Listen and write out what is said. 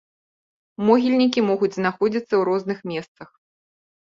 Могільнікі могуць знаходзіцца ў розных месцах.